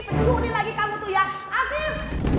pencuri lagi kamu tuh ya afif